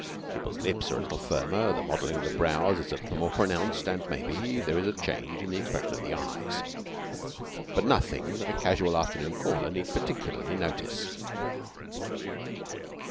People's lips are a little firmer, the modelling of the brows is a little more pronounced, and, maybe, there is a change in the expression of the eyes; but nothing that a casual afternoon caller need particularly notice.